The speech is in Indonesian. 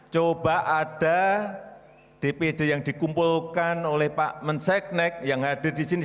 coba ada dpd yang dikumpulkan oleh pak menseknek yang ada di sini